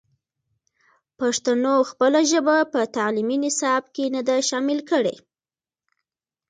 پښتنو خپله ژبه په تعلیمي نصاب کې نه ده شامل کړې.